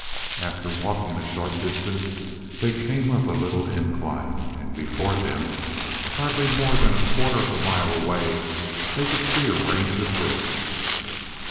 After walking a short distance, they came up a little incline, and before them, hardly more than a quarter of a mile away, they could see a range of hills.